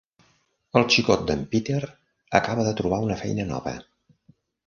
El xicot d'en Peter acaba de trobar una feina nova.